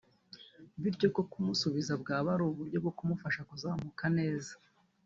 bityo ko kumusibiza bwaba ari uburyo bwo kumufasha kuzamuka neza